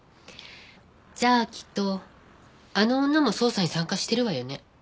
じゃあきっとあの女も捜査に参加してるわよね？